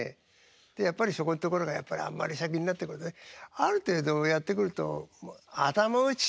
やっぱりそこのところがやっぱりあんまり先になってくるとねある程度やってくると頭打ちっていうんですかね